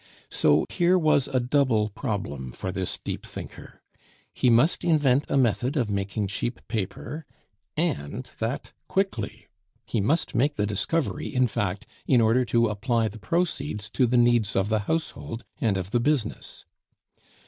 So here was a double problem for this deep thinker; he must invent a method of making cheap paper, and that quickly; he must make the discovery, in fact, in order to apply the proceeds to the needs of the household and of the business.